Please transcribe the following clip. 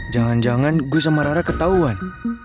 jangan jangan gue sama rara ketahuan